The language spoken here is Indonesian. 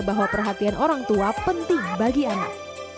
bahwa perhatian orang tua penting bagi anak